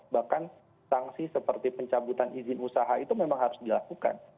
bahkan sanksi seperti pencabutan izin usaha itu memang harus dilakukan